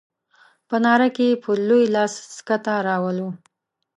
په ناره کې په لوی لاس سکته راولو.